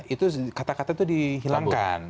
itu kata kata itu dihilangkan